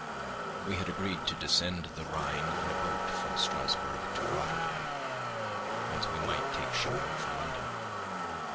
We had agreed to descend the Rhine in a boat from Strasburgh to Rotterdam, whence we might take shipping for London.